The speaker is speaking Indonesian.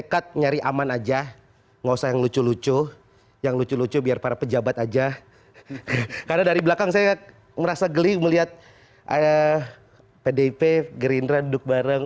karena dari belakang saya merasa geli melihat pdip gerindra duduk bareng